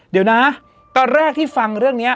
เดี๋ยวนะตอนแรกที่ฟังเรื่องนี้